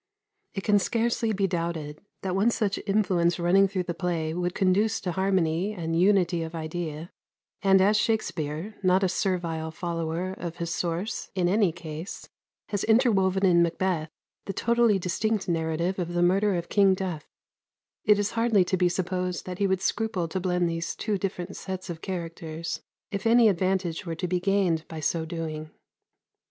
It can scarcely be doubted that one such influence running through the play would conduce to harmony and unity of idea; and as Shakspere, not a servile follower of his source in any case, has interwoven in "Macbeth" the totally distinct narrative of the murder of King Duffe, it is hardly to be supposed that he would scruple to blend these two different sets of characters if any advantage were to be gained by so doing.